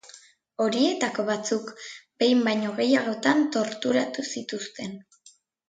Horietako batzuk behin baino gehiagotan torturatu zituzten.